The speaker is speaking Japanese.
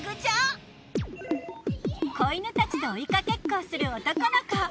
子犬たちと追いかけっこをする男の子。